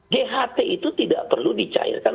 ght itu tidak perlu dicairkan